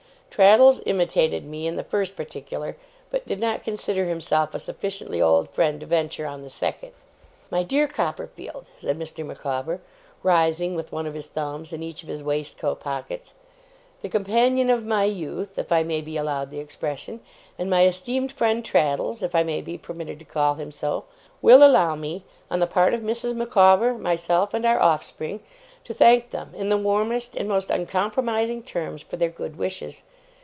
Traddles imitated me in the first particular, but did not consider himself a sufficiently old friend to venture on the second. 'My dear Copperfield,' said Mr. Micawber, rising with one of his thumbs in each of his waistcoat pockets, 'the companion of my youth: if I may be allowed the expression and my esteemed friend Traddles: if I may be permitted to call him so will allow me, on the part of Mrs. Micawber, myself, and our offspring, to thank them in the warmest and most uncompromising terms for their good wishes.